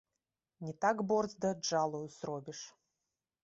Не так борзда джалу зробіш.